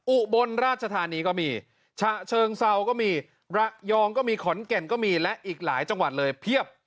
อุบลราชธานีก็มีฉะเชิงเซาก็มีระยองก็มีขอนแก่นก็มีและอีกหลายจังหวัดเลยเพียบ